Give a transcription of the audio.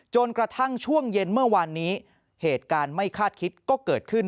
จนกระทั่งช่วงเย็นเมื่อวานนี้เหตุการณ์ไม่คาดคิดก็เกิดขึ้น